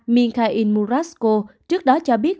mikhail murasko trước đó cho biết